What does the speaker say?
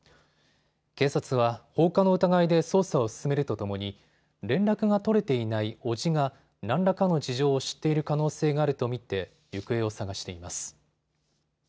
警察は放火の疑いで捜査を進めるとともに連絡が取れていない伯父が何らかの事情を知っている可能性があると見て行方を捜しています。